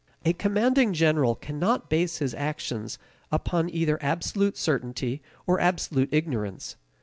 A commanding general cannot base his actions upon either absolute certainty or absolute ignorance.